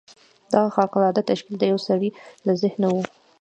دغه خارق العاده تشکیل د یوه سړي له ذهنه و